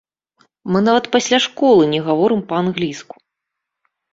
Мы нават пасля школы не гаворым па-англійску!